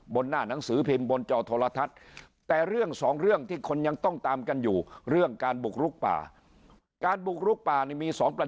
บนหน้านังสือพิมพ์บนจ่อโทรธรรม